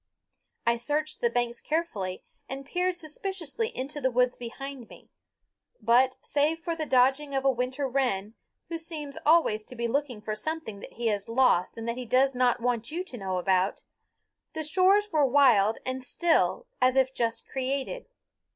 I searched the banks carefully and peered suspiciously into the woods behind me; but save for the dodging of a winter wren, who seems always to be looking for something that he has lost and that he does not want you to know about, the shores were wild and still as if just created.